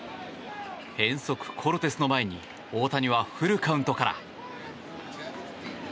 変則コルテスの前に大谷はフルカウントから。